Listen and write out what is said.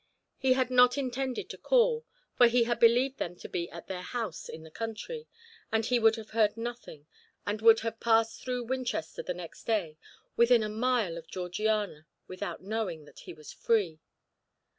He had not intended to call, for he had believed them to be at their house in the country, and he would have heard nothing, and would have passed through Winchester the next day, within a mile of Georgiana, without knowing that he was free!